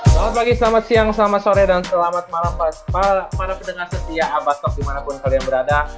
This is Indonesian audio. selamat pagi selamat siang selamat sore dan selamat malam para pendengar setia abastov dimanapun kalian berada